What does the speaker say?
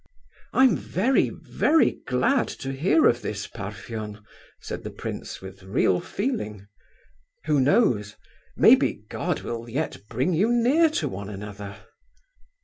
"I'm very, very glad to hear of this, Parfen," said the prince, with real feeling. "Who knows? Maybe God will yet bring you near to one another."